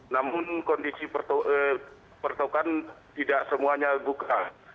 namun kondisi pertokan tidak semuanya buka